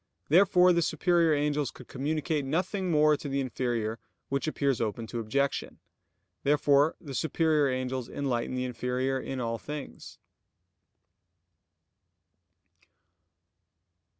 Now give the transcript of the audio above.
Therefore the superior angels could communicate nothing more to the inferior; which appears open to objection. Therefore the superior angels enlighten the inferior in all things.